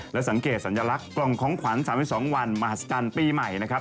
และสังเกตสัญลักษณ์กล่องของขวัญ๓๒วันมหัศจรรย์ปีใหม่นะครับ